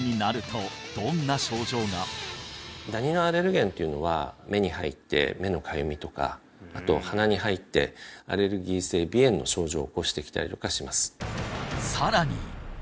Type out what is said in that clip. ダニのアレルゲンっていうのは目に入って目のかゆみとかあと鼻に入ってアレルギー性鼻炎の症状を起こしてきたりとかします